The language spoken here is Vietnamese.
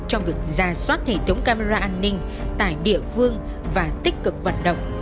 trong việc ra soát hệ thống camera an ninh tại địa phương và tích cực vận động